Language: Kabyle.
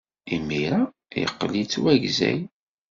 Imir-a, yeqqel yettwagzay.